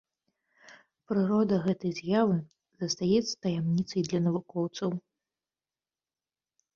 Прырода гэтай з'явы застаецца таямніцай для навукоўцаў.